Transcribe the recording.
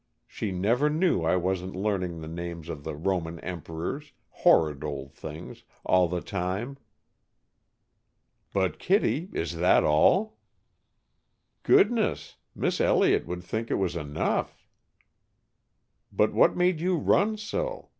She never knew I wasn't learning the names of the Roman emperors, horrid old things, all the time." "But, Kittie, is that all?" "Goodness! Miss Elliott would think it was enough!" "But what made you run so?